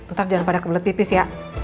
ntar jangan pada kebelet pipis ya